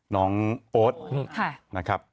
น้องโอ๊ตนะครับ